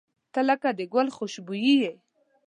• ته لکه د ګل خوشبويي یې.